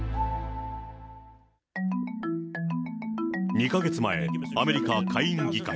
２か月前、アメリカ下院議会。